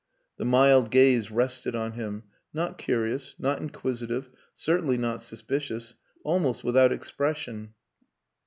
The mild gaze rested on him, not curious, not inquisitive certainly not suspicious almost without expression.